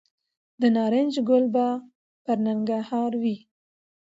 د نارنج ګل به پرننګرهار وي